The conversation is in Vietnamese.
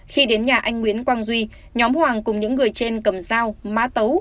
khi đến nhà anh nguyễn quang duy nhóm hoàng cùng những người trên cầm dao mã tấu